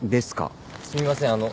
すみません。